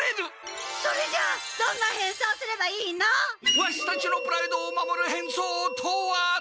ワシたちのプライドを守る変装とは！